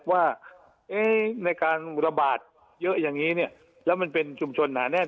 ว่าในการระบาดเยอะอย่างนี้เนี่ยแล้วมันเป็นชุมชนหนาแน่น